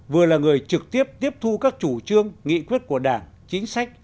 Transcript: vừa là người trực tiếp tiếp thu các chủ trương nghị quyết của đảng chính sách